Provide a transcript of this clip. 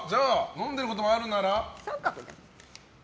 飲んでることもあるなら？